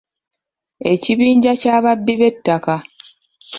Ekibinja ky'ababbi b'ettaka.